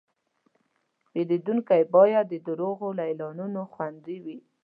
پیرودونکی باید د دروغو له اعلانونو خوندي وي.